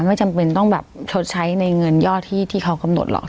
ไม่จำเป็นต้องแบบชดใช้ในเงินยอดที่เขากำหนดหรอก